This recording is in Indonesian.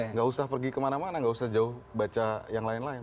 nggak usah pergi kemana mana nggak usah jauh baca yang lain lain